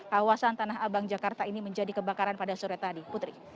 kawasan tanah abang jakarta ini menjadi kebakaran pada sore tadi putri